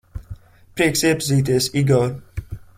Prieks iepazīties, Igor.